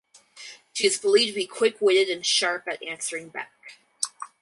She is believed to be quick witted and sharp at answering back.